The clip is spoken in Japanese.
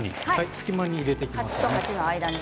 隙間に入れていきますね。